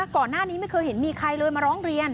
ก่อนหน้านี้ไม่เคยเห็นมีใครเลยมาร้องเรียน